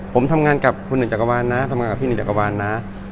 ผมทำงานกับคุณหนึ่งจักรวาลนะทำงานกับพี่หนึ่งจักรวาลนะ